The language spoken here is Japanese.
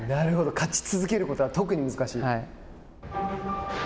勝ち続けることは特に難しい？